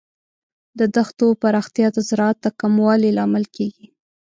د دښتو پراختیا د زراعت د کموالي لامل کیږي.